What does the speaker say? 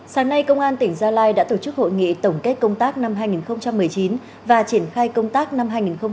sáng nay công an tỉnh gia lai đã tổ chức hội nghị tổng kết công tác năm hai nghìn một mươi chín và triển khai công tác năm hai nghìn hai mươi